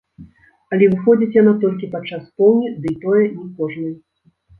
Але выходзіць яна толькі падчас поўні, ды і тое не кожнай.